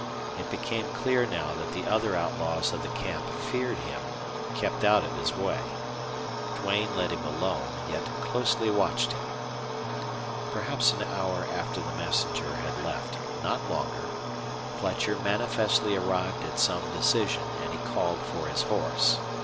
It became clear now that the other outlaws of the camp feared him, kept out of his way. Duane let him alone, yet closely watched him. Perhaps an hour after the messenger had left, not longer, Fletcher manifestly arrived at some decision, and he called for his horse.